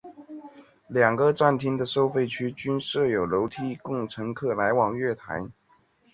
两个站厅的收费区均设有楼梯供乘客来往月台。